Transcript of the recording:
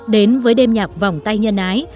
đến với đêm nhạc vòng tay nhân ái